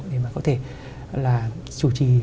để có thể chủ trì